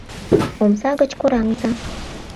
— Омса гыч кораҥза!